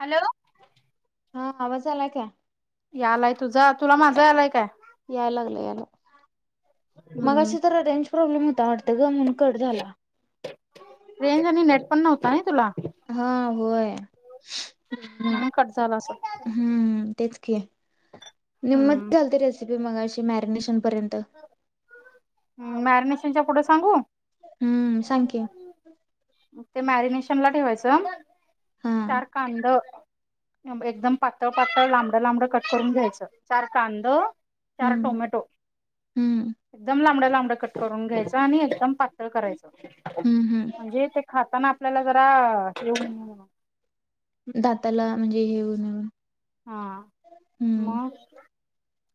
Hello हा आवाज आलाय का? यालाय तुझा तुला माझा आलाय काय? याय लागलं यायला हम्म मगाशी तर रेंज प्रॉब्लेम हो ताड त्याचा म्हणून कट झाला रेंज आणि नेट पण नव्ह नाही तुला हा होय. म्हणून कट झाला असल. के निमत झालतं रेसिपी मगाशी ते मॅरिनेशन पर्यंत मॅरिनेशनच्या पुढे सांगू हम्म सांग की ते मॅरिनेशन ला ठेवायचं हा चार कांदा एकदम पातळ पातळ लांबडं लांबडं कट करून घ्यायच चार कांद चार हम्म टोमॅटो हम्म एकदम लांबड लांबड कट करून घ्यायच आणि एकदम पातळ करायचं. हम्म हम्म म्हणजे ते खाताना आपल्याला जरा [unintelligible] दाताला म्हणजे हेऊन ऊन हा म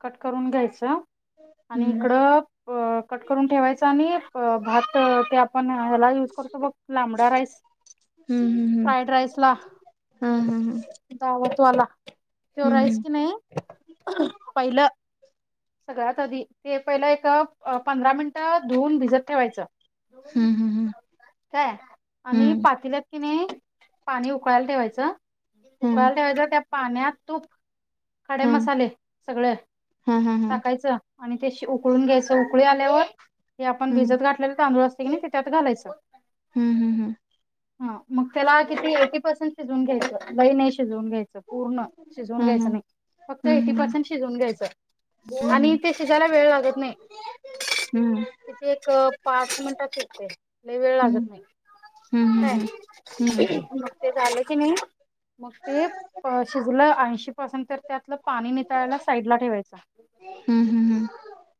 कट करून घ्यायचं आणि हम्म इकड ब कट करून ठेवायचं आणि भ भात ते आपण ह्याला युज करतो बघ लांबडा राईस हम्म हम्म फ्राईड राईस ला हा हा हा मला त्यो राईस हम्म किनी पहिलं सगळ्यात आधी ते पहिलं एक अ पंधरा मिनिटं धुऊन भिजत ठेवायचं. हम्म हम्म काय आणि पातेल्यात किणी पाणी उकळायला ठेवायचं. हम्म उकळायला ठेवायचं त्यात पाण्यात तूप खडे हम्म मसाले सगळं हा हा हा हा हा टाकायचं आणि ते शि उकळून घ्यायचं उकळी आल्यावर ते आपण हम्म भिजत घातलेले तांदूळ असतय, कने ते त्यात घालायचं. हम्म हम्म हा मग त्याला किती एटी पर्सेंट शिजवून घ्यायचं लई नाही शिजवून घ्यायचं पूर्ण शिजवून हा हा घ्यायचं नाही फक्त हम्म एटी हम्म परसेंट शिजून घ्यायच हम्म आणि ते शिजायला वेळ लागत नाही. हम्म. किती एक पा पाच मिनटात शिजतंय लई वेळ हम्म हम्म काय हम्म हम्म मग ते झाल कणी मग ते प शिजूल ऐंशी परसेंट त्यातलं पाणी नितळायला साईड ला ठेवायच. हम्म हम्म हम्म.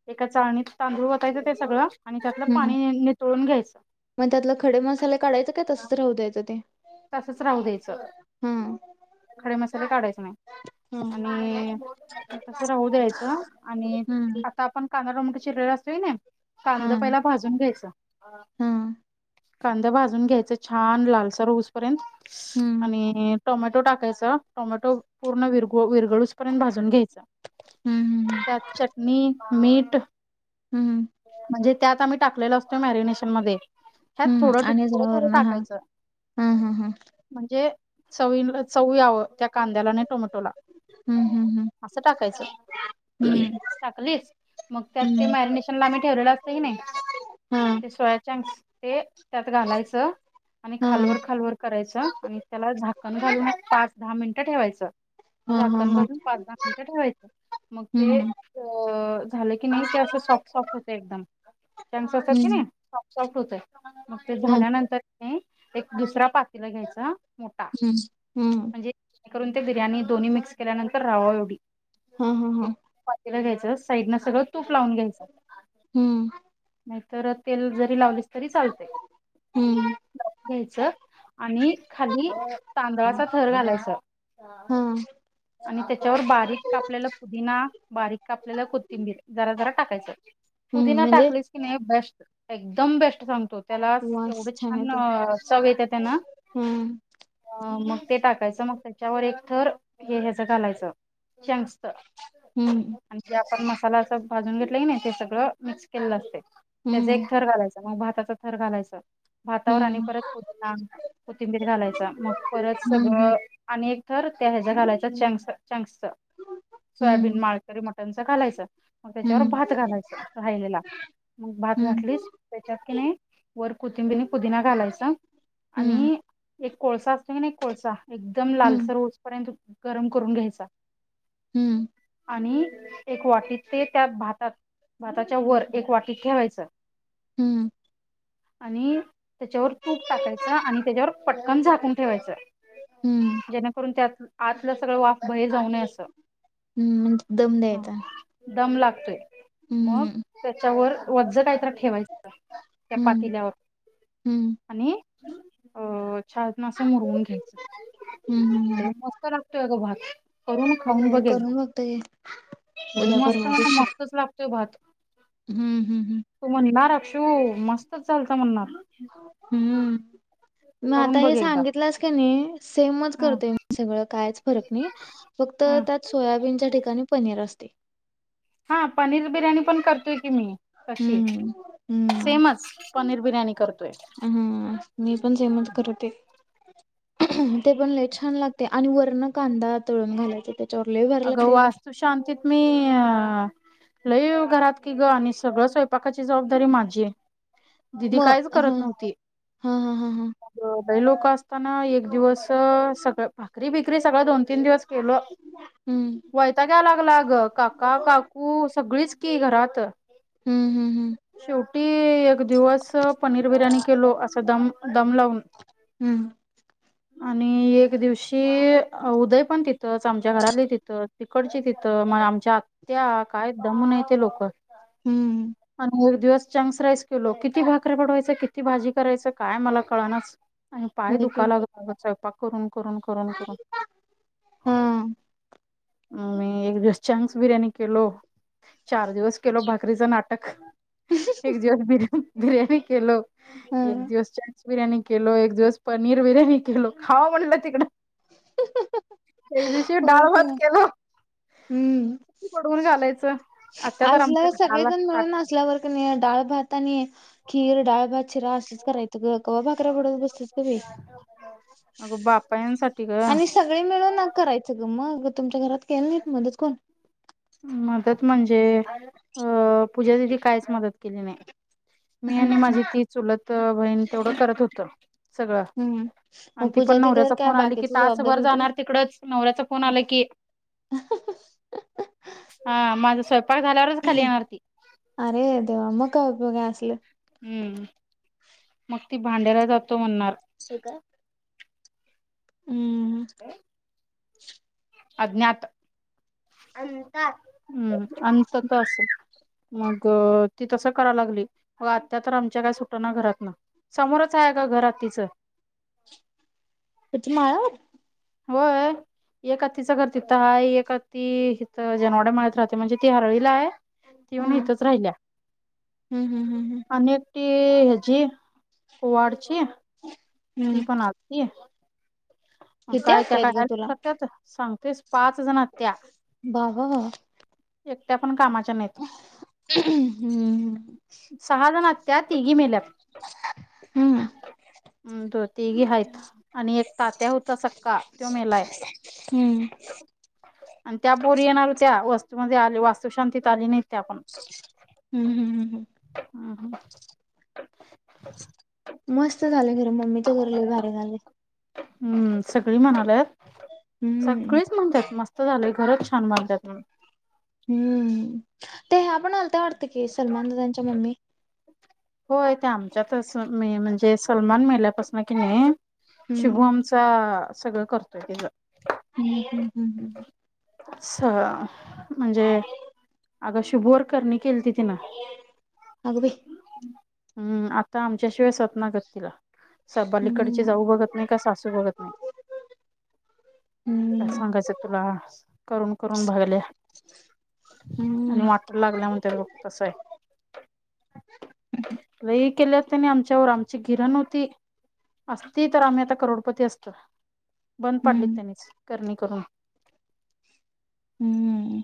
एका चाळणीत तांदूळ वतायचं ते सगळं आणि त्यातलं हम्म पाणी नितळून घ्यायचं मग त्यातलं खडे मसाले काढायचं काय तसंच राहू द्यायचं ते तसच राहू द्यायचं हा. खडे मसाले काढायच नाही. हम्म. आणि तस राहू द्यायचं आणि हम्म आता आपण कांदा टोमॅटो चिरलेला असतोय कणी हा कांद पहिला भाजून घ्यायच [unintelligible] हा कांदा भाजून घ्यायच छान लालसर होवूस पर्यंत हम्म आणि टोमॅटो टाकायच टोमॅटो पूर्ण विर हो विर ळूस पर्यंत भाजून घ्यायच हम्म त्यात चटणी मीट हम्म हम्म. त्यात आम्ही टाकलेल असतोय मॅरिनेशन मध्ये ह्यात हम्म थोडं आणि थोडं जरा थोडं वरण हा टाकायचं हा हा हा. म्हणजे चवी चवी यावं त्या कांद्याला आणि टोमटोला हम्म हम्म हम्म. अस टाकायच हम्म टाकलीच मग त्यात ते हम्म मॅरिनेशन आम ठेवले अस नाही हा ते सोया त्यात घालायच आणि हा खालवर करायच आणि त्याला झाकण घालून पाच दहा मिनिटं ठेवायचं हा हा झाकण हा घालून पाच दहा मिनटं ठेवायचं मग ते हम्म अ झाल कणी नाही ते सॉफ्ट सॉफ्ट होतय एकदम हम्म सॉफ्ट होत आहे मग ते ह झाल्यानंतर दुसऱ्या पातेल घ्यायचा मोठा हम्म हम्म म्हणजे करून ते बिर्याणी दोन्ही मिक्स केल्यानंतर राव्हाव एवढी हा हा हा घ्यायच साईडन सगळं तूप लावून घ्यायचं हम्म नाहीतर तेल जरी लावलीस तरी चालतय हम्म घ्यायच आणि खाली तांदळाचा थर घालायच हा आणि त्याच्यावर बारीक कापलेला पुदिना बारीक कापलेला कोथिंबीर जरा जरा टाकायचं हम्म पुदिना म्हणजे टाकलेस की नाही हे बेस्ट एकदम बेस्ट सांगतो त्याला वास एवढं छान येते चव येत त्याना हम्म मग ते टाकायचं मग त्याच्यावर एक थर हे ह्याचं घालायचं चंक्स हम्म आणि आपण मस्त मसाल्याच भाजून घेतलं की नाही ते सगळं मिक्स केलंल असतय त्याच हम्म एक थर घालायचं मग भाताचा थर घालायचं भातावर आणि हम्म परत कोथिंबीर घालायचा मग परत सगळं आणि तर त्या घालायच चं चंक्स सोयाबीन हम्म माळकरी मट त्यांच कालायचं मग त्याच्यावर हम्म भात घालायच राहिलेला मग भात हम्म घातलीच त्याच्यात की नाही वर कोथिंबिर पुदिना घालायचं हम्म हम्म आणि एक कोळसा नाही [unintelligible] कोळसा एकदम हम्म लालसर गरम करून घ्यायचा हम्म आणि एक वाटीत ते त्या भातात भाताच्या वर एक वाटीत ठेवायचं हम्म आणि त्याच्यावर तूप टाकायचं आणि त्याच्यावर पट कण झाकून ठेवायचं हम्म जेणेकरून त्यात आतलं सगळं वाफ बाहेर जाऊ नये असं हम्म म्हणजे दम द्यायचा हो मग हम्म त्याच्यावर वझ काहीतरी ठेवायचं त्या हम्म पातील्यावर हम्म आणि हो छान ना असं मुरवून घ्यायचं हम्म हम्म लई हम्म. मत लागतोय अग भात करून खाऊन होय बघ एकदा करून बघतो की लई उद्या मस्त परवा म्हण दिवशी. मस्तच लागतोय भात हम्म हम्म हम्म हो मस्तच चालत म्हणणारत हम्म मग आता करून बघ हे एकदा सांगितलंस का नाही सेमच हा करते सगळं कायच फरक नाही फक्त ह त्यात सोयाबीनच्या ठिकाणी पनीर असते हा पनीर बिर्याणी पण करतेय की मी कशी हम्म हम्म. सेमच पनीर बिर्याणी करतोय हा मी पण सेमत करते ते पण लय छान लागते आणि वरण कांदा तळून घालायचा त्याच्यावर लय भारी अगं लागते. ते. वास्तू शांतीत मी अ लई घरात कि ग आणि सगळं स्वयंपाकाची जबाबदारी माझी आहे दिदी मग काहीच हा करत नव्हती हा हा हा हा सगळे लोक असताना एक दिवस सगळ भाकरी बिकरी सगळ दोन तीन दिवस केलो हम्म वयतागं यायला लागला ग काका काकू सगळीच घरात. हम्म हम्म हम्म. शेवटी एक दिवस पनीर बिर्याणी केलो असा दम दम लावून हम्म आणि एक दिवशी उदय पण तिथंच आमच्या घराली तिथून तिकडची तिथं मग आमची आमची आत्या काय दम नाय ते लोक हम्म. आणि एक दिवस चंक्स राईस केलो किती भाकऱ्या बडवायच? किती भाजी करायचं? काय मला कळना? आणि पाय होय की दुखा लागला स्वयपाक करून. करून, करून, करून. हा मी एक दिसांस चान्स बिर्याणी केलो चार दिवस केलो भाकरीचं नाटक. एक दिवस बिर बिर्याणी केलो. हा एक दिवस चान्स - बिर्याणी केलो, एक दिवस पनीर बिर्याणी केलो, खावं म्हटलं तिकडं. एक दिवशी डाळ होय की भात केलो हम्म. पडवून घालायचं. आत्या तर आमच्या आजला खाला सगळेजण ताट मिळूनजल्यावर क नाही डाळ भाता आणि खीर, डाळं, भात रा असच करायचं ग? भाकरया पडत बसत अगं बापायांसाठी ग आणि सगळे मिळून करायचं ग मग. तुमच्या घरात केलं नाहीत मदत कोण मदत म्हणजे ह. हम. पूजा दीदी कायच केले नाही. मी आणि हम्म माझी ती चुलत बहीण तेवढं करत होता. सगळं हम्म आणि मग ती पण पूजा दिदीवर नवऱ्याचा काय फोन आली की बाकीची तासभर जबाबदारी होती काय जाणार तिकडच नवऱ्याचा फोन आला की. हा माझा स्वयंपाक झाल्यावरच खाली येणार ती अरे देवा! मंग काय उपयोग काय असलं? हम्म. मग, ती भांड्याला जातो म्हणणार. ठीक आहे. हम्म...... अज्ञात. [unintelligible] [inaudible] अंतत असे! मग, ती तसं करायला लागली. मग, आत्ता तर आमच्या काय सुटा ना घरात ना समोरच आहे का घरात तिचं. तीची मा! होय. एक हत्तीचं घर तिथं आहे. एक हात्ती हिथं जेनवाड्या राहते. म्हणजे ते राहते म्हणजे ती हरवीला आहे. तेऊन हम्म येतच राहिल्या हम्म हम्म हम्म अ हे जे वाडते? ती हम्म पण आज. हेच किती काय त्या आत्या काय आहेत ग हेल्प तुला करत्यात सांगतेस पाच जण आत्या बाबा बाबा त्या पण कामाच्या नाहीत. हम्म सहा जण हाईत त्यात तिघी मेल्यात हम्म हम् त तिघी हायत आणि एक तात्या होता सक्का त्यो मेलाय हम्म आणि त्या पोरी येणार होत्या वास्तूमध्ये आली वास्तू शांतीत आली नाही त्या आपण हम् हम् हम हम हम् हम अ मस्त झालं खरं मम्मीच घर लय भारी झाले हम्म सगळी म्हणाल्यात हम्म सगळेच म्हणतात मस्त झालंय खरंच छान म्हणतात ना हम्म ते ह्या पण आलत्या वाट ते सलमान त्यांच्या मम्मी होय ते आमच्यातच म.. म्हणजे सलमान मेल्यापासनं कि नाही हम्म शुभमचा सगळं करतोय तेजं हम्म हम् हम् ह स.. म्हणजे अगं शुभु वर करणी केलती तिनं अग बई. हम्म आता आमच्याशिवाय सत ना गत तिला. स पलीकडचे हम्म जाऊ बघत नाही का सासू बघत नाही. काय हम्म सांगायचं तुला स करून करून भागल्या आणि हम्म वाटला लागल्या म्हणत्यात बघ तसय. लई केल्यात त्यानी आमच्यावर आमची गिरण होती, असती तर आम्ही आता करोडपती असतो. बंद पाडलीत हम्म तेनीच करणी करून. हम्म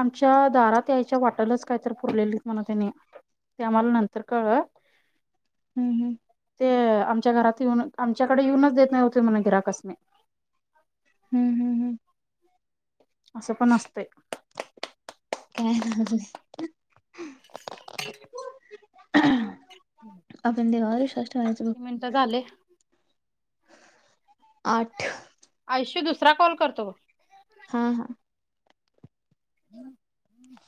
आमच्या दारात यायच्या वाटलाच काहीतरी पुरलेलीत म्हणं तेनी. ते आम्हाला नंतर कळलं, हम्म हम्म ते आमच्या घरात येऊन आमच्याकडे येऊनच देत नव्हती म्हण गिऱ्हाईकासनी. हम्म हम्म असं पण असतय. काय न्हवच बई ना. [inaudible] आपण देवावर विश्वास ठेवायचा बग. मिनटं झाले आठ. आयशु दुसरा कॉल करतो बग? हा हा हम्म्.